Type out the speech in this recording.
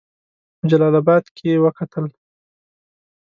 په جلا آباد کې وکتل.